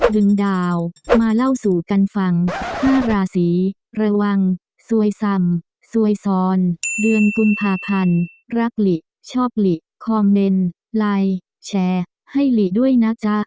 สวยสำสวยซอนเดือนกุมภาพันธ์รักหลีชอบหลีคอมเมนไลน์แชร์ให้หลีด้วยนะจ้ะ